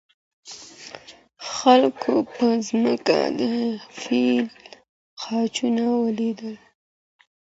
خلګو په ځمکه د فیل خاپونه ولیدل.